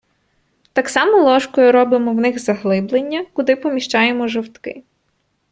Так само ложкою робимо в них заглиблення, куди поміщаємо жовтки.